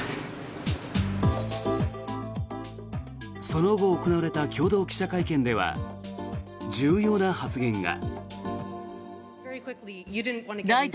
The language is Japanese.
その後行われた共同記者会見では重要な発言が。